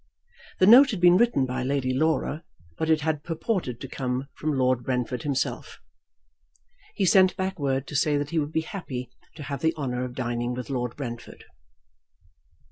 The note had been written by Lady Laura, but it had purported to come from Lord Brentford himself. He sent back word to say that he should be happy to have the honour of dining with Lord Brentford.